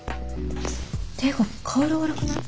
っていうか顔色悪くない？